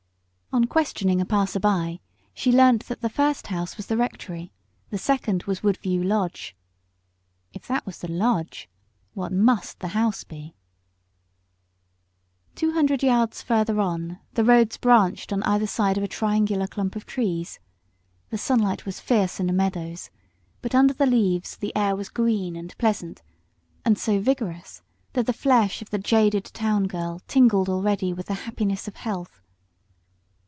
On questioning a passer by she learnt that the first house was the Rectory, the second was Woodview Lodge. If that was the lodge, what must the house be? Two hundred yards further on the road branched, passing on either side of a triangular clump of trees, entering the sea road; and under the leaves the air was green and pleasant, and the lungs of the jaded town girl drew in a deep breath of health.